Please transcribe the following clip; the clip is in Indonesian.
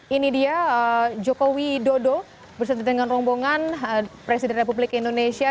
ini dia joko widodo bersama dengan rombongan presiden republik indonesia